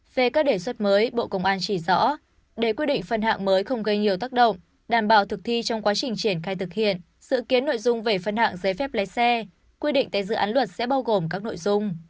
về các đề xuất mới bộ công an chỉ rõ để quy định phân hạng mới không gây nhiều tác động đảm bảo thực thi trong quá trình triển khai thực hiện sự kiến nội dung về phân hạng giấy phép lấy xe quy định tại dự án luật sẽ bao gồm các nội dung